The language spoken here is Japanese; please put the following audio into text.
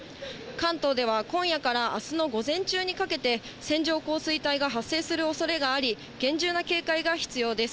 関東では、今夜からあすの午前中にかけて、線状降水帯が発生するおそれがあり、厳重な警戒が必要です。